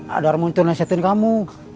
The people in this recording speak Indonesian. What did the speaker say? ada orang muncul yang kesehatan kamu